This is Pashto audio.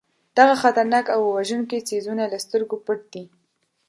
دغه خطرناک او وژونکي څیزونه له سترګو پټ دي.